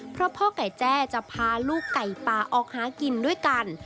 เพราะพ่อไก่แจ้จะพาลูกไก่ป่าออกหากินด้วยกัน